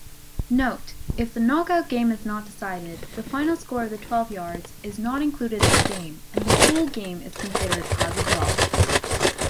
Note: if the knockout game is not decided, the final score of twelve yards is not included in the game and the whole game is considered as a draw.